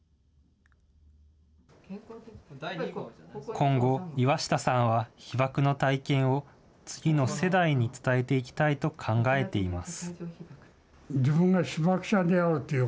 今後、岩下さんは被爆の体験を次の世代に伝えていきたいと考えています。